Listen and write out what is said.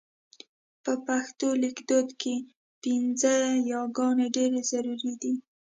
په پښتو لیکدود کې پينځه یې ګانې ډېرې ضرور دي.